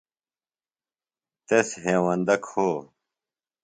تس ہیوندہ کھو۔